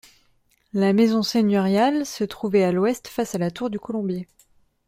La maison seigneuriale se trouvait à l'ouest face à la tour du Colombier.